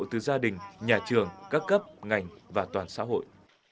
từ gia đình nhà trường các cấp ngành và toàn xã hội